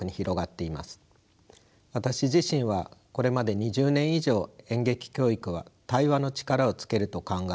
私自身はこれまで２０年以上演劇教育は対話の力をつけると考え